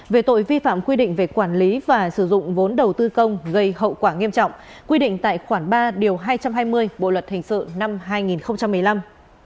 về tội vi phạm quy định về quản lý và sử dụng vốn đầu tư công gây hậu quả nghiêm trọng quy định tại khoản ba điều hai trăm hai mươi bộ luật hình sự năm hai nghìn một mươi năm